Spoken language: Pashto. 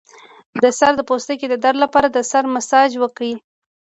د سر د پوستکي د درد لپاره د سر مساج وکړئ